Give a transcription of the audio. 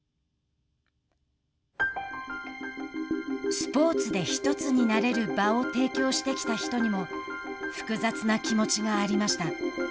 スポーツで１つになれる場を提供してきた人にも複雑な気持ちがありました。